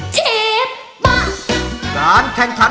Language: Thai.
เจ็บปะ